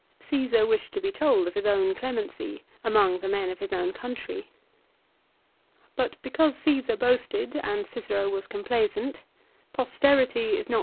Csesar wished to be told of his own clemency, among the men of his own country. But because Caesar boasted and Cicero was complaisant posterity is not to run 1 "Pro Eege Deiotaro," ii.